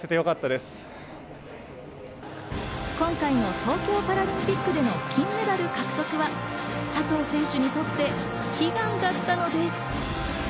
今回の東京パラリンピックでの金メダル獲得は、佐藤選手にとって悲願だったのです。